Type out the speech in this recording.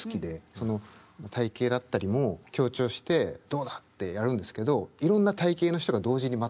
その体型だったりも強調してどうだ！ってやるんですけどいろんな体型の人が同時にまたいるっていう。